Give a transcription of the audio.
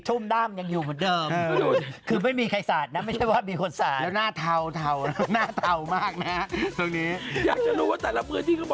แต่มันควรแต่ง